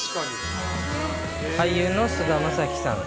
俳優の菅田将暉さん。